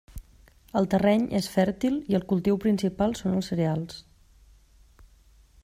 El terreny és fèrtil i el cultiu principal són els cereals.